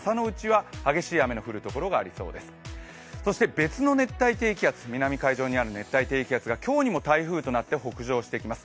別の熱帯低気圧、南海上にある熱帯低気圧が、今日にも台風となって北上してきます。